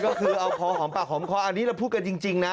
ก็คือเอาพอหอมปากหอมคออันนี้เราพูดกันจริงนะ